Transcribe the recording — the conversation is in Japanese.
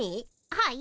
はい。